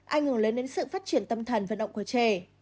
ảnh hưởng lên đến sự phát triển tâm thần và động của trẻ